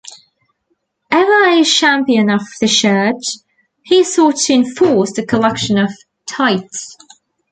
Ever a champion of the Church, he sought to enforce the collection of tithes.